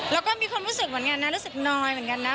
แล้วก็มีความรู้สึกเหมือนกันนะรู้สึกน้อยเหมือนกันนะ